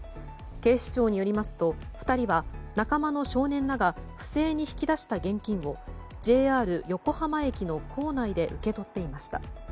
警視庁によりますと２人は仲間の少年らが不正に引き出した現金をＪＲ横浜駅の構内で受け取っていました。